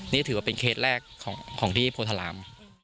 นี่ถือว่าเป็นเคสแรกของที่โพธาราม